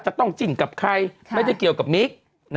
จะต้องจิ้นกับใครไม่ได้เกี่ยวกับมิก